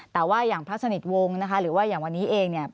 แต่ว่าอย่างพระสนิทวงศ์นะคะหรือว่าอย่างวันนี้เองเนี่ย